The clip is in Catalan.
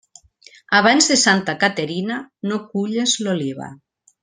Abans de Santa Caterina, no culles l'oliva.